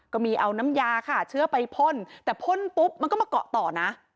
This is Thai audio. ก็มีเอาน้ำยาค่ะเชื้อไปพ่นแต่พ่นปุ๊บมันก็มาเกาะต่อนะ